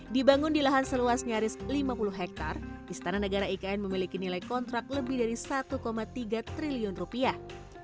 dibangun di lahan seluas nyaris lima puluh hektare istana negara ikn memiliki nilai kontrak lebih dari satu tiga triliun rupiah